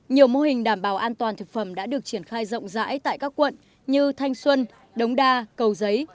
nhiều mô hình đảm bảo an toàn thực phẩm đã được triển khai rộng rãi tại các quận như thanh xuân đống đa cầu giấy